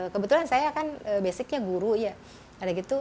kebetulan saya kan basicnya guru ya